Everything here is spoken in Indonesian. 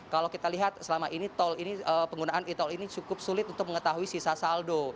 kalau kita lihat selama ini tol ini penggunaan e tol ini cukup sulit untuk mengetahui sisa saldo